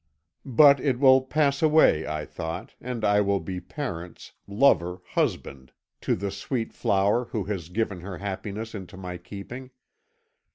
'But it will pass away,' I thought, 'and I will be parents, lover, husband, to the sweet flower who has given her happiness into my keeping.'